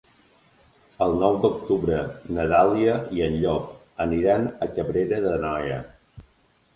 El nou d'octubre na Dàlia i en Llop aniran a Cabrera d'Anoia.